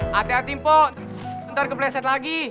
hati hati po ntar kebleset lagi